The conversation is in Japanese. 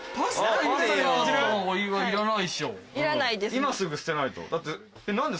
今すぐ捨てないと。